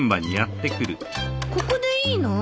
ここでいいの？